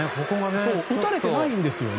打たれてないんですよね。